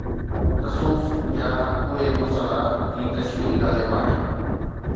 تصوف جا اهي مسئلا، هي تشريح غالب آهن